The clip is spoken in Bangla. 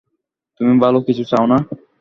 তুমি ভালো কিছু চাও না।